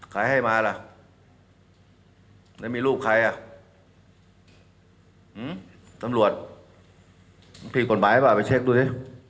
ใครให้มาล่ะมีรูปใครอ่ะสำรวจผิดกฎหมายหรือเปล่าไปเช็คดูดิ